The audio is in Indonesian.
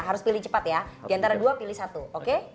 harus pilih cepat ya diantara dua pilih satu oke